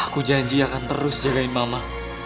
aku janji akan terus jagain mama